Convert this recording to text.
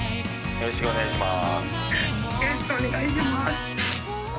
よろしくお願いします。